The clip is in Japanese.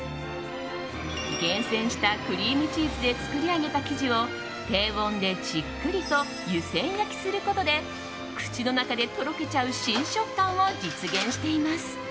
厳選したクリームチーズで作り上げた生地を低温でじっくりと湯煎焼きすることで口の中でとろけちゃう新食感を実現しています。